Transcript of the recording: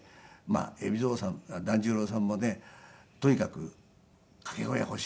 海老蔵さん團十郎さんもねとにかく掛け声が欲しいという事でね。